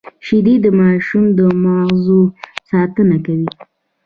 شیدې د ماشوم د مغزو ساتنه کوي